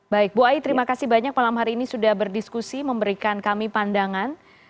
baik bu ai terima kasih banyak malam hari ini sudah berdiskusi memberikan kami pandangan